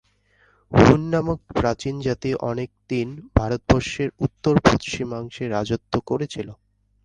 হূন নামক প্রাচীন জাতি অনেকদিন ভারতবর্ষের উত্তরপশ্চিমাংশে রাজত্ব করেছিল।